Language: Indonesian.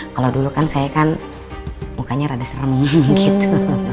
kalau dulu kan saya kan mukanya rada serem gitu